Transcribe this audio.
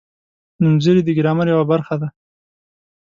نومځري د ګرامر یوه برخه ده.